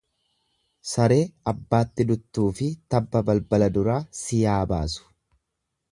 Saree abbaatti duttuufi tabba balbala duraa si yaa baasu.